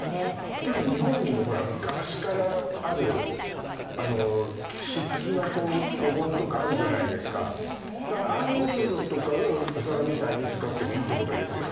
でも日本にもほら昔からある漆器のこうお盆とかあるじゃないですか素敵ですねだからああいうのとかをお皿みたいに使ってもいいってことですよね